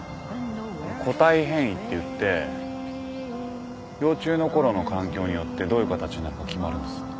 個体変異っていって幼虫のころの環境によってどういう形になるか決まるんです。